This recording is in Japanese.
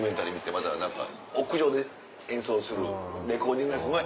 まだ何か屋上で演奏するレコーディング。